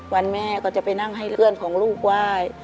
แม่ก็จะไปนั่งให้เพื่อนของลูกไหว้